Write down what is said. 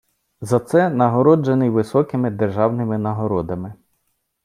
За це нагороджений високими державними нагородами.